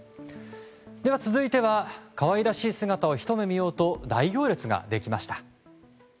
では続いては可愛らしい姿をひと目見ようと大行列ができました。